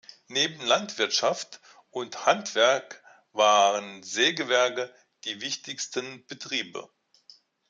Neben Landwirtschaft und Handwerk waren Sägewerke die wichtigsten Betriebe.